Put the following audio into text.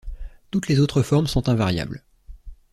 Toutes les autres formes sont invariables.